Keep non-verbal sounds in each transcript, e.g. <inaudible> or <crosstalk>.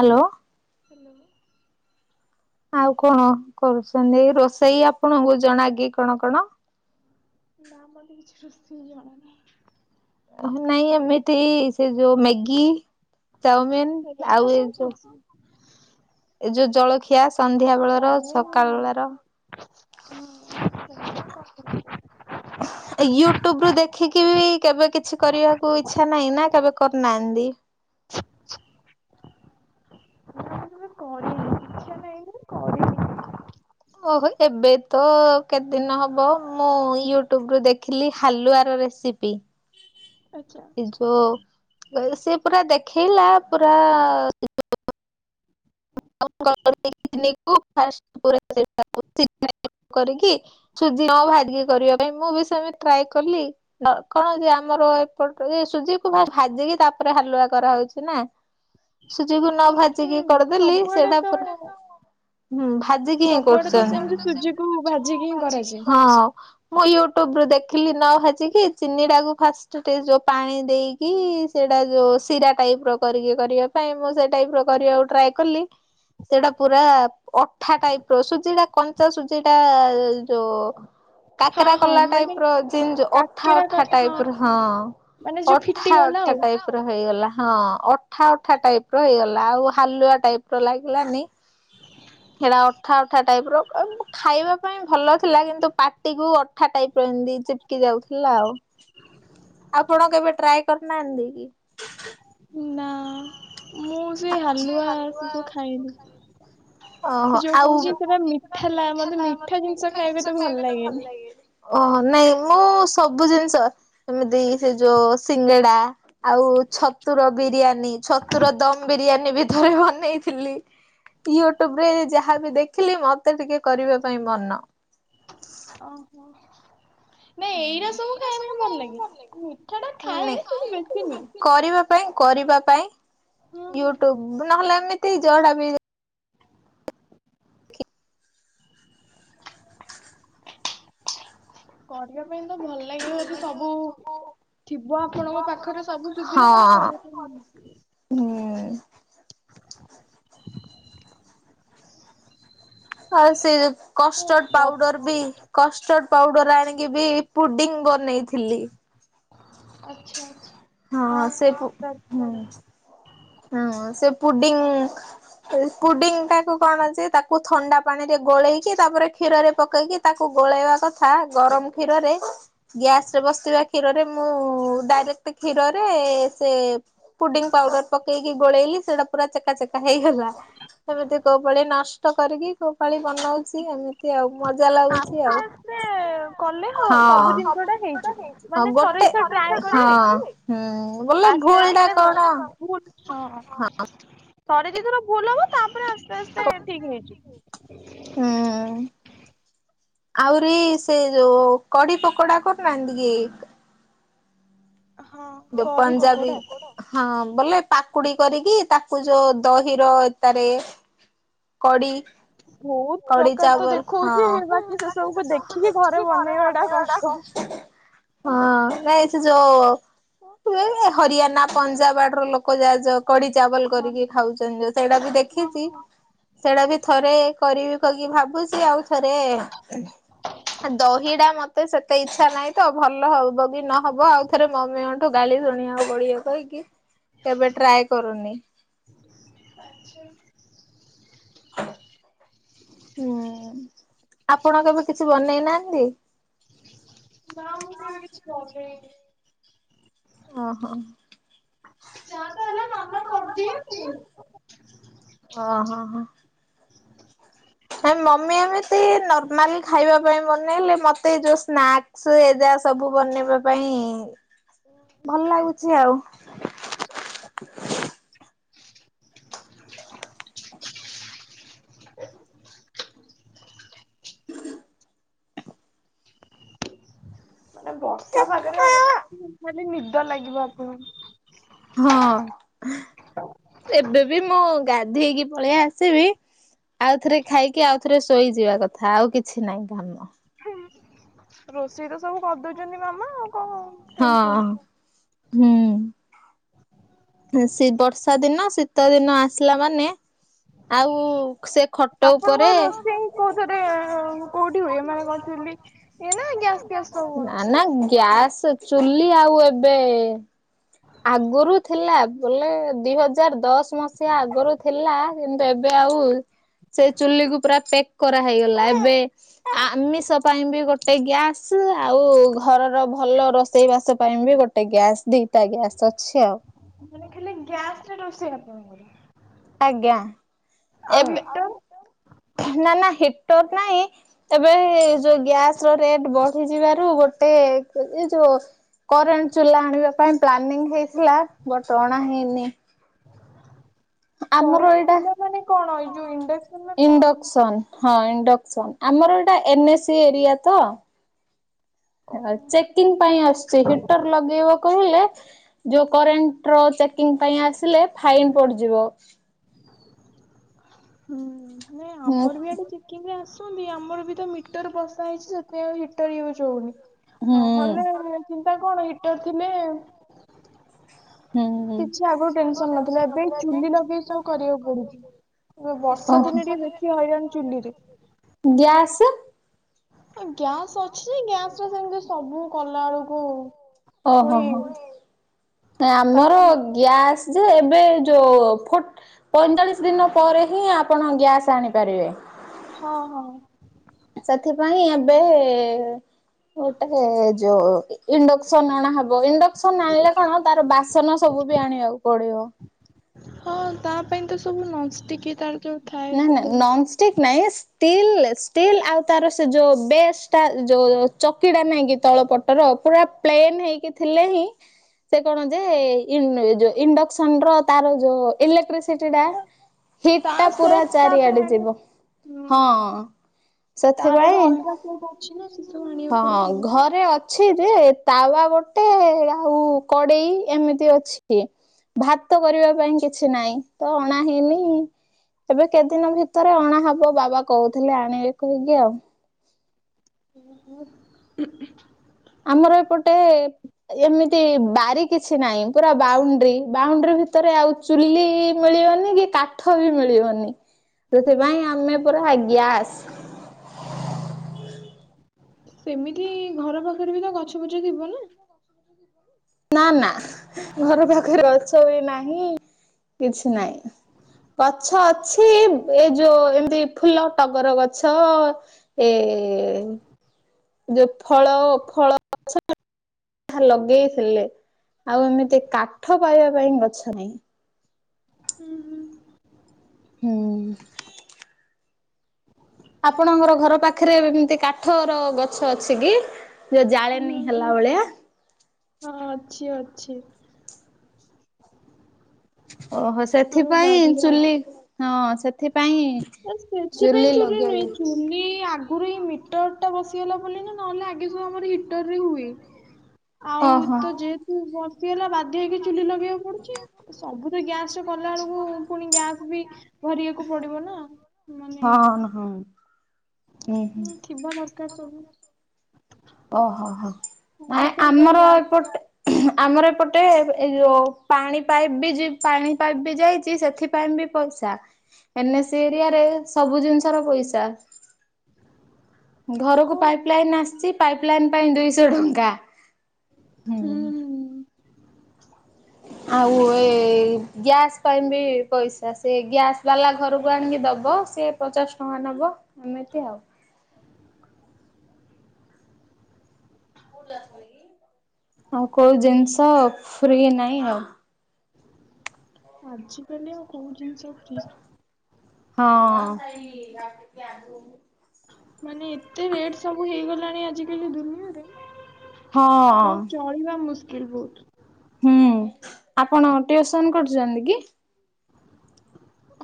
Hello hello ଆଉ କଣ କରୁଛନ୍ତି? ଏଇ ରୋଷେଇ ଆପଣଙ୍କୁ ଜଣ କିି କଣ କଣ? ନା ମତେ କିଛି ରୋଷେଇ ଜଣାନାହିଁ। ନାଇଁ ଏମିତି ସେ ଯୋଉ ମ୍ୟାଗି? ଚାଉମିିନ ଏଇଟା ଆଉ ଏ ସବୁ ଯୋଉ କରିଥିଲି ଯୋ ଜଳଖିଆ ସନ୍ଧ୍ୟା ବେଳର ଚାଉମିନ ସକାଳ ନା ବେଳା ର। ମୁଁ <unintelligible> ୟୁଟ୍ୟୁବ ରୁ ଦେଖିକି ବି କେବେ କିଛି କରିବାକୁ ଇଚ୍ଛା ନାହିଁ ନା କେବେ କରିନା <unintelligible> <inaudible> କରିନି ଇଛା ନାହିଁ ନାଇଁ କରି <unintelligible> ଓହୋ, ଏବେ ତ କେତେଦିନ ହବ ମୁଁ ୟୁଟ୍ୟୁବ ରୁ ଦେଖିଲି ହାଲୁଆ ର ରେସିପି ଆଚ୍ଛା ଏ ଯଉ ସେ ପୁରା ଦେଖେଇଲା ପୁରା <unintelligible> <unintelligible> କରିକି ସୁଜି ଭାରିଏ କରିବା ପାଇଁ ମୁଁ ବି ସେମି ଟ୍ରାଏ କଲି କଣ ଆମ ର ଏପଟ ସୂଜିକୁ ଭା ଭାଜିକି ତାରେ ପରେ ହାଲୁଆ କରାହଉଛି ନାଁ ସୁ ନ ଭାଜିକି ହୁଁ କରିଦେଲି ସବୁଆଡେ ସେଇଟା ତ ପ ହୁଁ ଭାଜିକି ହିଁ ସବୁଆଡେ ତ କରୁ। ସେମିତି ସୁଜିକୁ ଭାଜିକି ହିଁ କରାଯାଏ। ହଁ ମୁଁ ୟୁ ୟୁଟୁବୁ ଦେଖିଲି ନ ଭାଜିିକି ଚିନି ଟାକୁ ଫାଷ୍ଟ ଯୋଉ ପାଣି ଦେଇକି ସେଟା ଯୋଉ ଶିରା ଟାଇପ ର କରିକି କରିବା ପାଇଁ, ମୁଁ ସେ ଟାଇପ ର କରିବାକୁ ଟ୍ରାଏ କଲି ସେଇଟା ପୁରା ଅଠା ଟାଇପ ର, ସୁଜିଟା କଞ୍ଚା ସୁଜି ଟା ଯୋଉ ହଁ କାକରା ହଁ କଲା ମାନେ ଟାଇପ ର ଜିନ ଅଠା ଅଠା ଟାଇପ ର ହଁ ମାନେ ଯୋଉ ଫିଟି ଅଠା ଗଲା ଅଠା ଆଉ। ଟାଇପ ର ହେଇଗଲା ହଁ ଅଠା ଅଠା ଟାଇପ ର ହେଇଗଲା। ଆଉ ହାଲୁଆ ଟାଇପ ର ଲାଗିଲାନି। ସେଟା ଅଠା ଅଠା ଟାଇପ ର ଖାଇବା ପାଇଁ ଭଲ ଥିଲା କିନ୍ତୁ ପାଟିକୁୁ ଅଠା ଟାଇପ ଚିପକି ଯାଉଥିଲା ଆଉ ଆପଣ କେବେ ଟ୍ରାଏ କରିନାହାନ୍ତି କି? ନା ମୁଁ ସେ ମୁଁ ସେଏ ସେ ହାଲୁଆ ସବୁ ତ ଖାଇନି। ଓହୋ ଆଉ ଯୋଉ କ ସେଟା ମିଠା ଲ ମତେ ମିଠା ଜିନିଷ ଖାଇବା ତେ ଭଲ ଲାଗେନି। ଓ ନାଇଁ ମୁଁ ସବୁ ଜିନିଷ ଏମିତି ସେ ଯୋଉ ସିଙ୍ଗଡା ଆଉ ଛତୁର ବିରିୟାନୀ ଛତୁର ଦମ ବିରିୟାନୀ ବି ରେ ବନେଇଥିଲି। ୟୁଟ୍ୟୁବ ରେ ଯାହାବି ଦେଖିଲି ମତେ ଟିକେ କରିବା ପାଇଁ ମନ। ଅ ହ <inaudible> ଲାଗେ ମିଠା ଟା ଖାଏ ନାଇଁ କିନ୍ତୁ ବେଶୀ ନୁହେଁ। କରିବା କରିବା ପାଇଁ ହଁ ହଁ। ୟୁଟ୍ୟୁବ ନହେଲେ ଏମିତି ଯଡା ବି <unintelligible> ପାଇଁ ତ ଭଲ ଲାଗିବ ଯଦି ସବୁ ଥିବ ଆପଣଙ୍କ ପାଖରେ ସବୁ ହଁ ସୁବିଧା ତମେ <unintelligible> ହୁଁ। ଆଉ ସେ କଷ୍ଟଡ ଭଲ ଲାଗିବ। ପାଉଡର ବି କ ପାଉଡର ଆଣିକି ବି ପୁଡିଙ୍ଗ ବନେଇଥିଲି। ଆଚ୍ଛା ସେ ପୁ ହଁ ହୁଁ। ହ ହୁଁ ସେ ପୁଡିଙ୍ଗ ପୁଡିଙ୍ଗ ଟାକୁ କଣ ଅଛି ତାକୁ ଥଣ୍ଡା ପାଣି ରେ ଗୋଳେଇକି ତାପରେ କ୍ଷୀରରେ ପକେଇକି ତାକୁ ଳେଇବା କଥା ଗରମ କ୍ଷୀରରେ ଗ୍ୟାସରେ ବସେଇବା କ୍ଷୀର ରେ ମୁଁ ଡାଇରେକ୍ଟ କ୍ଷୀରରେ ସେ ପୁଡିଙ୍ଗ ପାଉଡର ପକେଇକି ଗୋଳେଇଲି ସେଟା ପୁରା ଚେକା ଚେକା ହେ ହେଇଗଲା ଏମିତି କୋଉ ପାଳି ନଷ୍ଟ କରିକି କୋଉ ପାଳି ବନଉଛି ଏମିତି ଆଉ। ମଜା ଲାଗୁଛି ଆସ୍ତେ ଆଉ। ଆସ୍ତେ କଲେ ହଁ ସବୁ ଜିନିଷ ଟା ହେଇଯିବ। ହଁ ମାନେ ଥରେ ଗୋଟେ ଦିଥର ଟ୍ରାଏ କରିବି ହଁ ହଁ ବୋଲେ ଆସ୍ତେ ଭୁଲ ଆସ୍ତେ ଟା ମାନେ କଣ ହଁ ଥରେ ଦି ଥର ଭୁଲ ହବ ତାପରେ ଆସ୍ତେ ଆସ୍ତେ ଠିକ ହେଇଯିବ। ଆହୁରିି ସେଇ କଡି ପକୋଡିକରୁ ନାହାନ୍ତି କି ହଁ କରିବୁ ପଞ୍ଜାବୀ କୋଉଟା। ହଁ ବୋଲେ ପାକୁଡି କରିକି ତାକୁ ଯୋଉ ଦହି ର ତାରେ କଡି। କଡି ଚାୱଲା ହଁ ସେ ସବୁ ଦେଖିକି ଘରେ ବନେଇବା ଟା କଷ୍ଟ। ହଁ ନାଇଁ ସେ ଯୋଉ ହରିୟଣା ପଞ୍ଜାବ ଆଡର ଲୋକ ଯାହାଜ କଡି ଚାୱଲ ନା କରିକି ଖାଉଛନ୍ତି ସେଇଟା ବି ଦେଖିଛି। ମୁଁ ସେଇଟା ବି ଥରେ କରିବି କହିକି ଭାବୁଛି ଆଉ ଥରେ ଦହିଡା ମତେ ସେତେ ଇଚ୍ଛା ନାହିଁ ତ ଭଲ ହବ ବି ନହବ ଆଉ ଥରେ ମ ତୁ ଗାଲି ଶୁଣିବାକୁ ବଢିବ କାହିଁକି? କେବେ ଟ୍ରାଏ କରୁନି? ହୁଁ ଆପଣ କେବେ କିଛି ବନେଇ ନା ନ୍ତି <inaudible> ନା ମୁଁ କେବେ କିଛି ବନେଇନି। ଓ ହୋ। <inaudible> ମାମା ହଁ କରିଦିଏ ଆଉ। ହୋ ହଁ ମମି ଏମିତି ନର୍ମାଲ ଖାଇବା ପାଇଁ ମନେଇଲେ ମତେ ଯୋଉ ସ୍ନାକ୍ସ <inaudible> ସବୁ ବନେଇବା ପାଇଁ ଭଲ ଲାଗୁଛି ଆଉ। <inaudible> ମାନେ ବର୍ଷା ପାଗରେ ଆଉ ଖାଲି ନିଦ ଲାଗିବ ଆପଣଙ୍କୁ ହଁ ଏବେ ବି ମୁଁ ଗାଧେଇକି ପଳେଇ ଆସିବି। ଆଉଥରେ ଖାଇକି ଆଉ ଥରେ ଶୋଇଯିବା କଥା ଆଉ କିଛି ନାଇଁ <inaudible> ରୋଷେଇ ତ ସବୁ କରିଦଉଛନ୍ତି ମାମା ଆଉ କଣ ଟେନସନ। ହଁ ହୁଁ ବର୍ଷା ଦିନ ଶୀତ ଦିନ ଆସିଲା ମାନେ ଆଉ ସେ ଖଟ ଆପଣଙ୍କ ଉପରେ ରୋଷେଇ କୋଉଥିରେ କୋଉଠି ହୁଏ ମାନେ ଚୁଲି ଇଏ ନା ଗ୍ୟାସ୍ ନାନା ସେ ଚୁଲି ଆଉ ଏବେ ଆଗରୁ ଥିଲା ବୋଲେ ଦି ହଜାର ଦଶ ମସିହା ଆଗରୁ ଥିଲା କିନ୍ତୁ ଏବେ ଆଉ ସେ ଚୁଲିକୁୁ ପୁରା ପେକ୍ କରା ହେଇଗଲା ଏବେ ଆମିଷ ପାଇଁ ବି ଗୋଟେ ଗ୍ୟାସ୍ ଆଉ ଘରର ଭଲ ରୋଷେଇ ବାସ ପାଇଁ ବି ଗୋଟେ ଗ୍ୟାସ ଦି ତା ଗ୍ୟାସ୍ ଅଛି ଆଉ। ଲେ ଗ୍ୟାସ ରେ ରୋଷେଇ ଆପଣଙ୍କର? ଆଜ୍ଞା ଆଉ ଏବେ ହିଟର ନା ନା ହିଟର ନାହିଁ ଏବେ ଯୋଉ ଗ୍ୟାସ ର ରେଟ୍ ବଢିଯିବାରୁ ଗୋଟେ ଏ ଏ ଯୋଉ କରେଣ୍ଟ ଚୁଲା ଆଣିବା ପାଇଁ ପ୍ଲାନିଂ ହେଇଥିଲା ବଟ୍ ଅଣା ହେଇନି। ଆମର କରେଣ୍ଟ ଏଇଟା ଥିଲା ମାନେ କଣ ଏଇ ଯୋଉ ଇଣ୍ଡକ୍ସନରେ କଣ ଇଣ୍ଡେକ୍ସନ୍ ହଁ ଇଣ୍ଡେ ଆମର ଏଟା ଏନଏସି ଏରିଆ ତ। କହୁ ଚେକିଂ ପାଇଁ ଆସୁଛି ହିଟର ଲଗେଇବ କହିଲେ ଯୋଉ କରେଣ୍ଟ ର ଚେକିଙ୍ଗ ପାଇଁ ଆସିଲେ ଫାଇନ୍ ପଡିଯିବ। ହୁଁ ନା ହୁଁ ଆମର ବି ଆଡେ ଚିକେନ୍ ଆସେ। ଆମର ବି ତ ମିଟର ବସା ହେଇଛି ସେଥିପାଇଁ ହିଟର ୟୁଜ୍ ହଉନି। ନ ହୁଁ ହେଲେ ଚିନ୍ତା କଣ ହିଟର ଥିଲେ। ହୁଁ କିଛି ଆଗରୁ ଟେନସନ ନଥିଲା ଏବେ ଚୁଲି ଲଗେଇ ସବୁ କରିବାକୁ ପଡୁଛି। ବର୍ଷା ଦିନ ଟ ବେଶୀ ହଇରାଣି ଚୁଲିରେ। ଗ୍ୟାସ୍। ଗ୍ୟାସ୍ ଅଛି ଯେ ଗ୍ୟାସ ରେ ସେମିତି ସବୁ କଲା ବେଳକୁ ଓ ହୋ ପୁଣି ହ। ଆମର ତାକୁ ଗ୍ୟାସ୍ ଯେ ଏବେ ଯୋଉ ଫୁଟ୍ ପଇଁଚାଳିଶ ଦିନ ପରେ ହିଁ ଆପଣ ଗ୍ୟାସ ଆଣିପାରିବେ। ହଁ ହଁ। ସେଥିପାଇଁ ଏବେ ଗୋଟେ ଯୋଉ ଇଣ୍ଡକ୍ସନ ଅଣା ହେବ। ଇଣ୍ଡକ୍ସନ ଆଣିଲେ କଣ ତାର ବାସନ ସବୁ ବି ଆଣିବାକୁ ପଡିବ। ହଁ ତା ପାଇଁ ତ ସବୁ ନନଷ୍ଟିକ ତାର ଯୋଉ ଥାଏ ନା ନା ସବୁ ନନଷ୍ଟିକ ନାଇଁସ୍। ଷ୍ଟିଲ୍ ଷ୍ଟିଲ୍ ଆଉ ତାର ସେ ଯୋଉ ବେସ୍ ଟା ଯୋଉ ଚକିଟା ନାଇଁ କି ତଳ ପଟର। ହଁ ପୁରା ପ୍ଲେନ ହେଇକି ଥିଲେ ହିଁ ସେ କଣ ଯେ ଇନ୍ ଇଣ୍ଡକ୍ସନ ର ତାର ଯୋଉ ଇଲେକ୍ଟ୍ରିସିଟି ଟା। ହିଟ ତା ଟା ପୁରା ସେଟ୍ ତା ପାଇଁ ଚାରିଆଡେ ଆଣିବା ଯିବ ହୁଁ ହଁ। ତାର ଗୋଟେ ସେଥିପାଇଁ ଅଲଗା ସେଟ୍ ଅଛି ନା ସେ ସବୁ ଆଣିବାକୁ ହଁ ପଡିବ ଆଉ। ଘରେ ଅଛି ଯେ ତାୱା ଗୋଟେ ଆଉ କଡ଼େଇ ଏମିତି ଅଛି। ଭାତ କରିବା ପାଇଁ କିଛି ନାଇଁ ତ ଅଣା ହେଇନି। ଏବେ କେଦିନ ଭିତରେ ଅଣାହବ ବାବା କହୁଥିଲେ ଆଣିବି କହିକି ଆଉ। ହଁ। ଆମର ଏପଟେ ଏମିତି ବାରି କିଛି ନାହିଁ ପୁରା ବାଉଣ୍ଡ୍ରି ବାଉଣ୍ଡ୍ରି ଭିତରେ ଆଉ ଚୁଲି ମିଳି ମିଳିବନି କି କାଠ ବି ମିଳିବନି। ସେଥିପାଇଁ ଆମେ ପୁରା ଗ୍ୟାସ ସେମିତି ଘର ପାଖରେ ବି ତ ଗଛ ଫଛ ଥିବ ନା। ନା ନା ଘର ପାଖରେ ଗଛ ବି ନାହିଁ କିଛି ନାହିଁ। ଗଛ ଅଛି ବ ଏ ଯୋଉ ଏମତି ଫୁଲ ଟଗର ଗଛ ଏ ଯୋଉ ଫଳ ଫଳ ଅଛ ନା ଠା ଲଗେଇଥିଲେ ଆଉ ଏମିତି କାଠ ପାଇବା ପାଇଁ ଗଛ ନାହିଁ। ହୁଁ ହୁଁ। ହୁଁ। ଆପଣଙ୍କର ଘର ପାଖରେ ଏମିତି କାଠର ଗଛ ଅଛି କି ଯୋଉ ଜାଳେ ହୁଁ ହୁଁ ହଁ ଅଛି ଅଛି। ଓହୋ ଆମ ସେଥିପାଇଁ ବାରିରେ ଚୁଲି ଅଛି। ହଁ ସେଥି ସେଥିପାଇଁ ଚୁଲି ନୁହେଁ ଚୁଲି ଆଗରୁ ହିଁ ମିଟର ଟା ବସିଗଲା ବୋଲି ନା ନହେଲେ ଆଗେ ସବୁ ଆମର ହିଟର ରେ ହୁଏ। ଆଉ ଓହୋ। ତ ଯେହେତୁ ବର୍ସି ଗଲା ବାଧି ହେଇକି ଚୁଲି ଲଗେଇବାକୁ ପଡ଼ୁଛି ସବୁ ତ ଗ୍ୟାସ କଲା ବେଳକୁ ପୁଣି ଗ୍ୟାସ ବି ଭରିବାକୁ ପଡ଼ିବ ନା। ମାନେ ହଁ ହଁ। ଉୁଁ ହୁଁ। କା ସବୁ ଓହୋ ହୋ ନାଇ ସମସ୍ତେ ବି ତ ଆମର ଗ୍ୟାସ୍ ଏପଟେ ଆମର ଏପଟେ ଏ ଯୋଉ ପାଣି ପାଇପ୍ ବି ପାଣି ପାଇପ୍ ବି ଯାଇଛି ସେଥିପାଇଁ ବି ପାଇସା ଚା ଏନ୍ ସି ଏରିଆରେ ସବୁ ଜିନିଷର ପଇସା ଘରକୁ ହଁ ପାଇପି ଲାଇନ ଆସିଛି ପାଇପି ଲାଇନ ପାଇଁ ଦୁଇଶହ ଟଙ୍କା। ହୁଁ ହୁ। ଆଉ ଏ ଗ୍ୟାସ୍ ପାଇଁ ବି ପଇସା ସେ ଗ୍ୟାସ ବାଲା ଘରକୁ ଆଣିକି ଦବ। ବ ସିଏ ପଚାଶ ଟଙ୍କା ନବ ଏମିତି ଆଉ। ଆଉ କୋଉ ଜିନିଷ ଫ୍ରି ନାହିଁ ଆଉ। ଆଜି କାଲି ଆଉ କୋଉ ଜିନିଷ ଫ୍ରି ହଁ। ମାନେ ଏତେ ରେଟ ସବୁ ହେଇଗଲାଣି ଆଜିିକାଲି ଦୁନିଆରେ। ହଁ ଆଗକୁ ଚଳିବା ମୁସ୍କିଲ ବହୁତୁ। ହୁଁ ଆପଣ ଟିଉସନ କରୁଛନ୍ତି କି?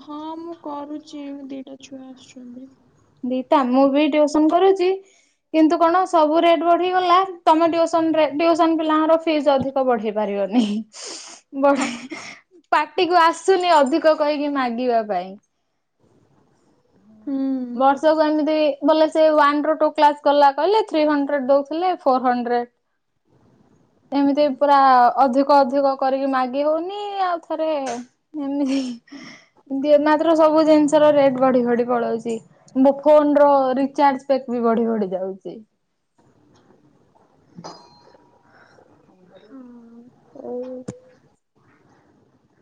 ହଁ ମୁଁ କରୁଛି ଦିଟା ଛୁଆ ଆସୁଛନ୍ତି। ଦିଟ ମୁଁ ବି ଟିଉସନ କରୁଛି କିନ୍ତୁ କଣ ସବୁ ରେଟ ବଢ଼ିଗଲା। ତମ ଟିଉସନ ରେ ଟିଉସନ ପିଲାଙ୍କର ଫିସ୍ ଅଧିକ ବଢ଼େଇ ପାରିବନି। ବଢ଼େ ପାଟି କୁ ଆସୁନି ଅଧିକ କହିକି ମାଗିବା ପାଇଁ। ହୁଁ ବର୍ଷକୁ ଏମିତି ଗଲା ସେ ୱାନ ରୁ ଟୁ କଲା କହିଲେ ଥ୍ରୀ ହଣ୍ଡ୍ରେଡ଼ ଦଉଥିଲେ ଫୋ ହଣ୍ଡ୍ରେଡ଼ ଏମିତି ପୁରା ଅଧିକ ଅଧିକ କରିକି ମାଗି ହଉନି ଆଉ ଥରେ ଏମତି ଦିଅ ନା ସବୁ ଜିନିଷର ରେଟ ବଢ଼ି ବଢ଼ି ପଳଉଛି ମୋ ଫୋନ ର ରିଚାର୍ଜ ପ୍ୟାକ୍ ବି ବଢ଼ି ବଢ଼ି ଯାଉଛି। ହଉ।